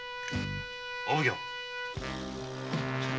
・お奉行。